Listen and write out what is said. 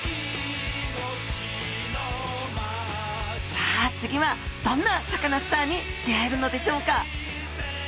さあ次はどんなサカナスターに出会えるのでしょうか？